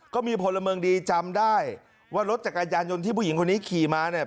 ก็มีพลเมืองดีจำได้ว่ารถจักรยานยนต์ที่ผู้หญิงคนนี้ขี่มาเนี่ย